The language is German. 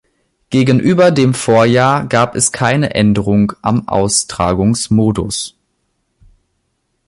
Gegenüber dem Vorjahr gab es keine Änderung am Austragungsmodus.